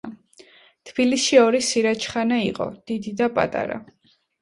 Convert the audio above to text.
თბილისში ორი სირაჯხანა იყო: დიდი და პატარა.